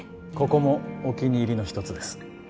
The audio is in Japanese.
ここもお気に入りの一つです